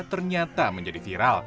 ternyata menjadi viral